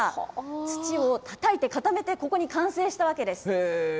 土をたたいて固めて、ここに完成したわけです。